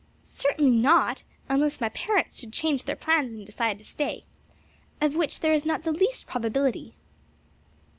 "Certainly not; unless my parents should change their plans and decide to stay. Of which there is not the least probability."